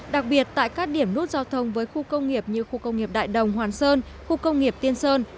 đặc biệt tại các điểm nút giao thông với khu công nghiệp như khu công nghiệp đại đồng hoàn sơn khu công nghiệp tiên sơn